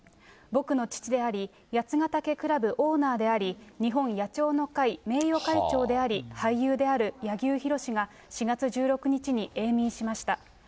僕の父であり、八ヶ岳倶楽部オーナーであり、日本野鳥の会名誉会長であり、俳優である柳生博が４月１６日に永眠しました。